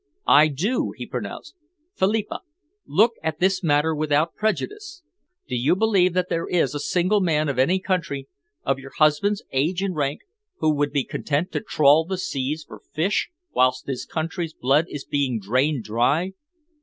"I do!" he pronounced. "Philippa, look at this matter without prejudice. Do you believe that there is a single man of any country, of your husband's age and rank, who would be content to trawl the seas for fish whilst his country's blood is being drained dry?